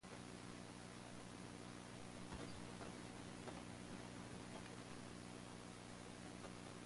Both of these consensus sequences belong to the regulatory promoter.